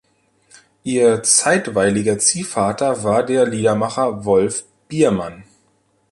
Ihr zeitweiliger Ziehvater war der Liedermacher Wolf Biermann.